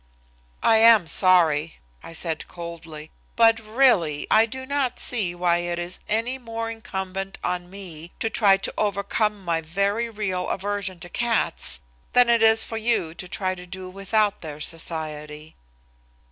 "I am sorry," I said coldly, "but really, I do not see why it is any more incumbent on me to try to overcome my very real aversion to cats than it is for you to try to do without their society."